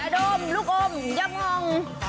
อย่าโดมลูกอมอย่ามอง